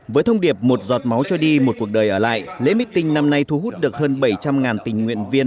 với thông điệp một giọt máu cho đi một cuộc đời ở lại lễ meeting năm nay thu hút được hơn bảy trăm linh tình nguyện viên